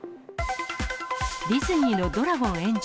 ディズニーのドラゴン炎上。